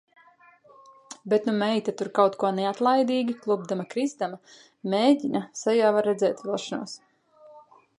Bet nu meita tur kaut ko neatlaidīgi, klupdama krizdama, mēģina, sejā var redzēt vilšanos.